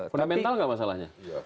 fundamental gak masalahnya